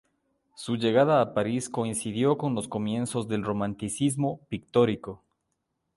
Su llegada a París coincidió con los comienzos del Romanticismo pictórico.